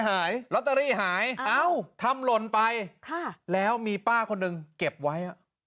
อ่ะหายอะไรหายหายเอาทำหล่นไปค่ะแล้วมีป้าคนหนึ่งเก็บไว้